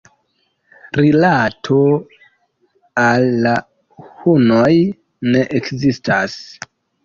Rilato al la hunoj ne ekzistas.